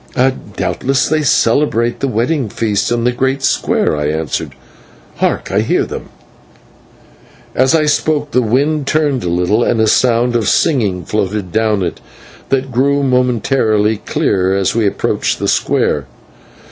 "Doubtless they celebrate the wedding feast in the great square," I answered. "Hark, I hear them." As I spoke the wind turned a little, and a sound of singing floated down it, that grew momentarily clearer as we approached the square.